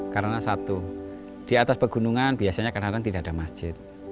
karena satu di atas pegunungan biasanya kadang kadang tidak ada masjid